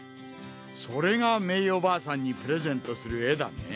それがメイおばあさんにプレゼントする絵だね。